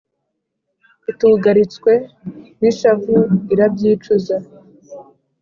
Itugaritswe n’ishavu, irabyicuza,